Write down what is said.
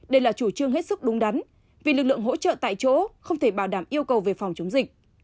đây là chủ trương hết sức đúng đắn vì lực lượng hỗ trợ tại chỗ không thể bảo đảm yêu cầu về phòng chống dịch